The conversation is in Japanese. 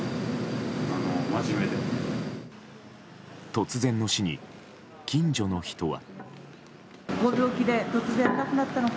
突然の死に、近所の人は。